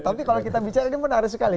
tapi kalau kita bicara ini menarik sekali